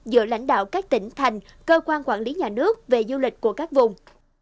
giữa lãnh đạo các tỉnh thành cơ quan quản lý nhà nước về du lịch của các vùng